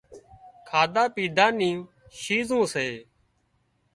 کاڌا پيڌا نِي شيزون سي